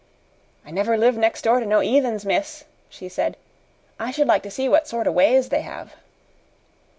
"I never lived next door to no 'eathens, miss," she said; "I should like to see what sort o' ways they'd have."